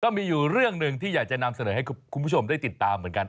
มีอยู่เรื่องหนึ่งที่อยากจะนำเสนอให้คุณผู้ชมได้ติดตามเหมือนกัน